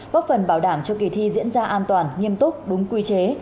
góp phần bảo đảm cho kỳ thi diễn ra an toàn nghiêm túc đúng quy chế